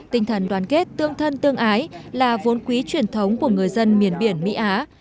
tinh thần đoàn kết tương thân tương ái là vốn quý truyền thống của người dân miền biển mỹ á